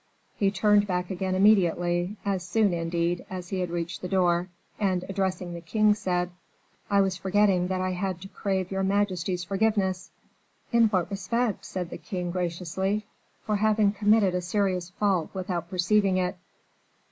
He turned back again immediately, as soon, indeed, as he had reached the door, and addressing the king, said, "I was forgetting that I had to crave your majesty's forgiveness." "In what respect?" said the king, graciously. "For having committed a serious fault without perceiving it."